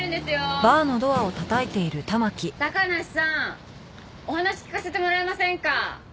お話聞かせてもらえませんか？